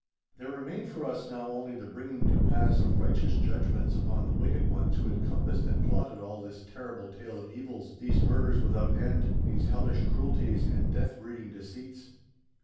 There remained for us now only the bringing to pass of righteous judgments upon the wicked ones who had compassed and plotted all this terrible tale of evils—these murders without end, these hellish cruelties and death breeding deceits.